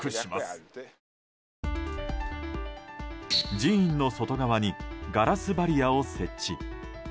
寺院の外側にガラスバリアーを設置。